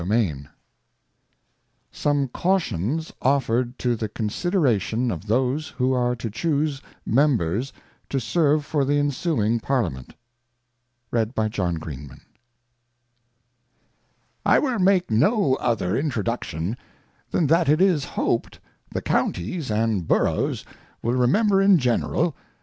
Some 142 Some Cautions offered to the Conside ration of those "who are to chuse Members to serve for the Ensuing Parliament. I Will make no other Introduction, than that it is hoped the Counties and Boroughs will remember in general.